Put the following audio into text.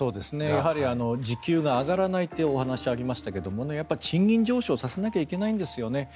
やはり、時給が上がらないってお話がありましたが賃金上昇させなきゃいけないんですよね。